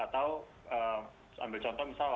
atau ambil contoh misalnya